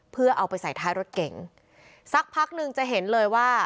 เพื่อเอาไปใส่ท้ายรถเก๋งสักพักหนึ่งจะเห็นเลยว่า